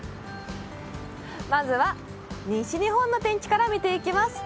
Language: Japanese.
まずは西日本の天気からみていきます。